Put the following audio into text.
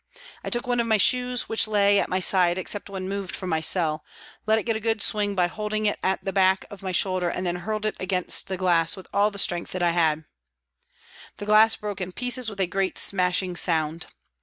I took one of my shoes, which always lay at my side except when I moved from my cell, let it get a good swing by holding it at the back of my shoulder and then hurled it against the glass with all the strength that I had. The glass broke in pieces with a great smashing sound.